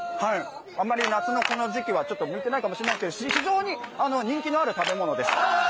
あまり夏のこの時期はちょっと向いてないかもしれないですけど、非常に人気のある食べ物です。